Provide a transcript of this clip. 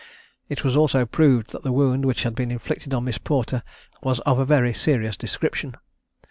It was also proved that the wound which had been inflicted on Miss Porter was of a very serious description.